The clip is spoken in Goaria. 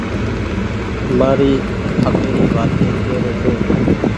مآري آپيري وآتي ڪي رو ڇون.